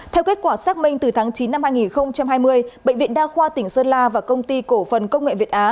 theo kết quả xác minh từ tháng chín năm hai nghìn hai mươi bệnh viện đa khoa tỉnh sơn la và công ty cổ phần công nghệ việt á